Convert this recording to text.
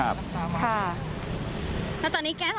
คุณภาคภูมิพยายามอยู่ในจุดที่ปลอดภัยด้วยนะคะ